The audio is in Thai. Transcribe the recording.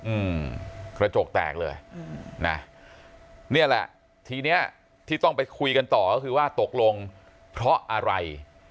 อืมกระจกแตกเลยอืมนะเนี่ยแหละทีเนี้ยที่ต้องไปคุยกันต่อก็คือว่าตกลงเพราะอะไร